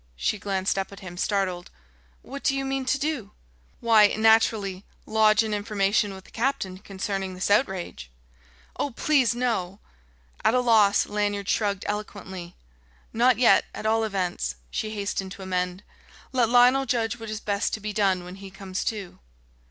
She glanced up at him, startled. "What do you mean to do?" "Why, naturally, lodge an information with the captain concerning this outrage " "Oh, please, no!" At a loss, Lanyard shrugged eloquently. "Not yet, at all events," she hastened to amend. "Let Lionel judge what is best to be done when he comes to."